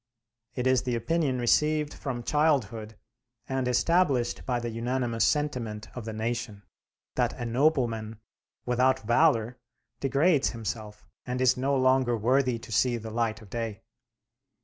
It is the opinion received from childhood and established by the unanimous sentiment of the nation, that a nobleman without valor degrades himself and is no longer worthy to see the light of day.